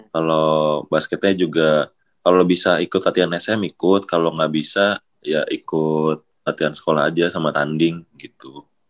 kalo basketnya juga kalo bisa ikut latihan sm ikut kalo gabisa ya ikut latihan sekolah aja sama tanding gitu